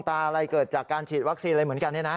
อะไรเกิดจากการฉีดวัคซีนอะไรเหมือนกัน